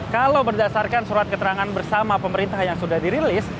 kalau berdasarkan surat keterangan bersama pemerintah yang sudah dirilis